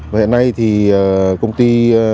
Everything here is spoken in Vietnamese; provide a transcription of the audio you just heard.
và hiện nay thì công ty